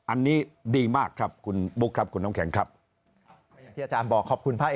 อันนี้ดีมากครับคุณบุ๊คครับคุณหน้าแข็งครับบอกขอบคุณภาค